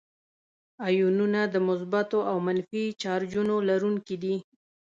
آیونونه د مثبتو او منفي چارجونو لرونکي دي.